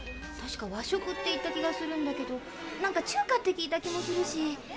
確か「和食」って言った気がするんだけどなんか「中華」って聞いた気もするし。